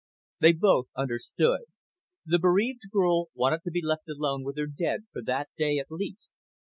They both understood. The bereaved girl wanted to be left alone with her dead, for that day at least.